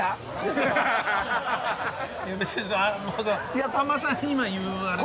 いやさんまさんに今言うあれでは。